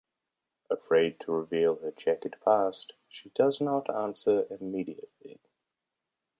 Afraid to reveal her checkered past, she does not answer immediately.